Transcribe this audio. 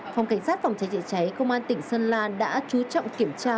phòng cảnh sát phòng trái trị trái công an tỉnh sơn la đã chú trọng kiểm tra